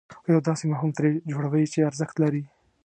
او یو داسې مفهوم ترې جوړوئ چې ارزښت لري.